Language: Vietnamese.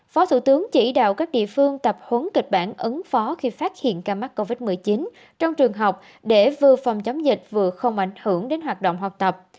phó thủ tướng chỉ đạo các địa phương tập huấn kịch bản ứng phó khi phát hiện ca mắc covid một mươi chín trong trường học để vừa phòng chống dịch vừa không ảnh hưởng đến hoạt động học tập